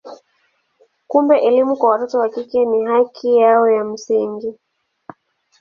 Kumbe elimu kwa watoto wa kike ni haki yao ya msingi.